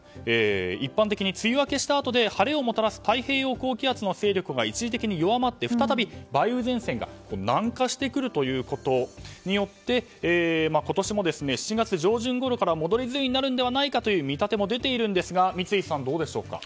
一般的に梅雨明けしたあとに晴れをもたらす太平洋高気圧の勢力が一時的に弱まって再び梅雨前線が南下してくるということによって今年も７月上旬頃から戻り梅雨になるのではないかという見立ても出ているんですが三井さん、どうでしょうか？